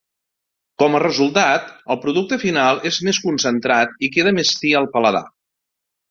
Com a resultat el producte final és més concentrat i queda més fi al paladar.